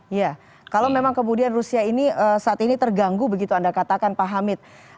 iya kalau memang kemudian rusia ini saat ini terganggu begitu anda katakan pak hamid